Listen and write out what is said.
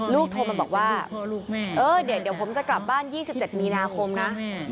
โทรมาบอกว่าเออเดี๋ยวผมจะกลับบ้าน๒๗มีนาคมนะ